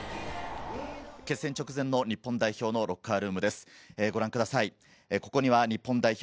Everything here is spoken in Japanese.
決戦直前の日本代表のロッカールームです。